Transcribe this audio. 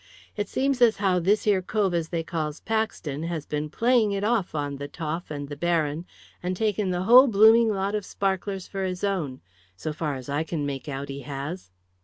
It seems as how this here cove as they calls Paxton has been playing it off on the Toff and the Baron, and taken the whole blooming lot of sparklers for his own so far as I can make out, he has."